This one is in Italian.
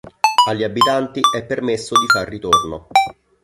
Agli abitanti è permesso di far ritorno.